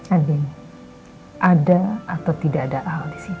andien ada atau tidak ada al disini